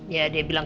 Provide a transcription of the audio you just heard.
ya dia bilang